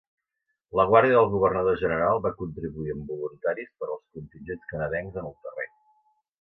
La guàrdia del Governador General va contribuir amb voluntaris per als contingents canadencs en el terreny.